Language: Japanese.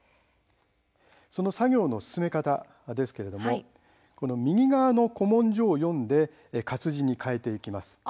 その作業の進め方ですけれども右側の古文書を読んで活字に変えていきます。